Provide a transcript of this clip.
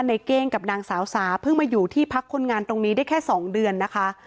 เก้งกับนางสาวสาเพิ่งมาอยู่ที่พักคนงานตรงนี้ได้แค่๒เดือนนะคะ